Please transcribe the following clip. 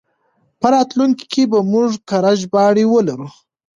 په راتلونکي کې به موږ کره ژباړې ولرو.